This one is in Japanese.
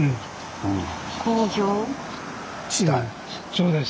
そうです。